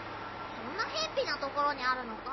そんなへんぴな所にあるのか？